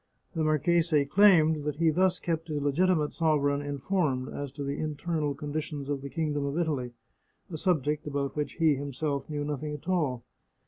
The marchese claimed that he thus kept his legitimate sovereign informed as to the internal conditions of the kingdom of Italy — a subject about which he himself knew nothing at all.